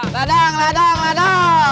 ladang ladang ladang